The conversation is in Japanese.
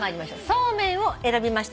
「そうめん」を選びました